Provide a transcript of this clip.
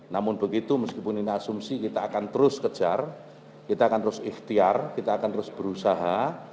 namun begitu meskipun ini asumsi kita akan terus kejar kita akan terus ikhtiar kita akan terus berusaha